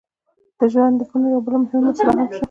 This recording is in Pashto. د ژوندلیکونو یوه بله مهمه مساله هم شته.